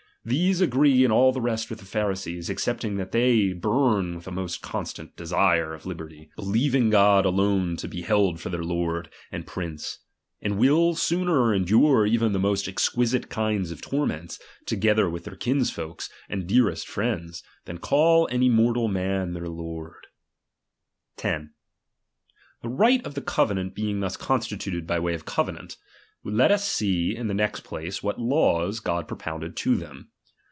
These agree in all the rest with tlte Pharisees, excepting that they fiiWB with a most constant desire of liberty ; he 234 RELIGION. CHAP, XVI. Uecing God alone to he held for their Lord i ''' prince ; and will sooner endure even the most exquisite kinds of torments, together tvlth their kinsjblks and dearest friends, than call any mor tal man their Lord. miEtiftwsKpre iQ_ xhc Tight of the kingdom being thus consti *t J.W,. luted by way of covenant, let us see in the next place, what laws God propounded to them.